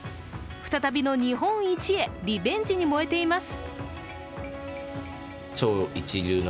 再びの日本一へリベンジに燃えています。